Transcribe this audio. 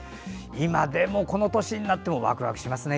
今でも、この年になってもワクワクしますね